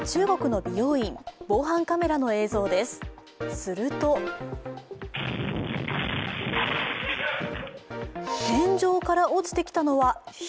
すると天井から落ちてきたのは人？